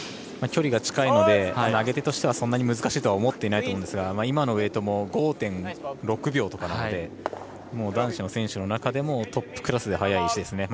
距離が近いので投げ手としてはそんなに難しいとは思っていないと思うんですが今のウエイトも５．６秒なので男子の選手の中でもトップクラスで速い石です。